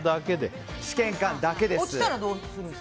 試験管だけです。